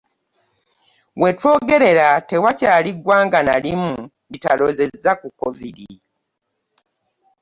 Wetwogerera tewakyali ggwanga na limu litalozezza ku Covid.